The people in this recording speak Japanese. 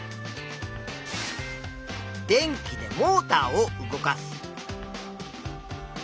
「電気でモーターを動かす」。